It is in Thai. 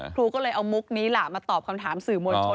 ครูก็เลยเอามุกนี้ล่ะมาตอบคำถามสื่อมวลชน